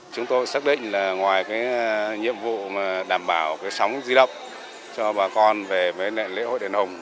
chúng tôi xác định là ngoài nhiệm vụ đảm bảo sóng di động cho bà con về với lễ hội đền hùng